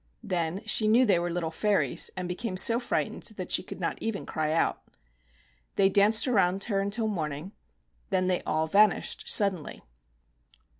Then she knew they were little fairies, and became so frightened that she could not even cry out. They danced around her until morning; then they all vanished sud denly.